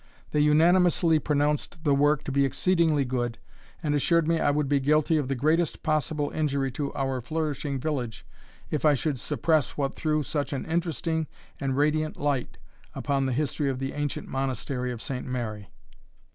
They unanimously pronounced the work to be exceedingly good, and assured me I would be guilty of the greatest possible injury to our flourishing village, if I should suppress what threw such an interesting and radiant light upon the history of the ancient Monastery of Saint Mary.